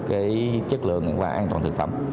cái chất lượng và an toàn thực phẩm